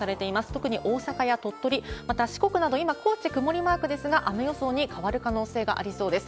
特に大阪や鳥取、また四国など、今、高知、曇りマークですが、雨予想に変わる可能性がありそうです。